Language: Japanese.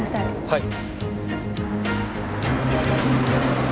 はい。